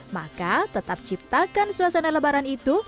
maka tetap ciptakan suasana lebaran itu